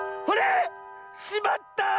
あれ⁉しまった！